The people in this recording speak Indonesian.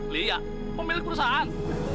lia pemilik perusahaan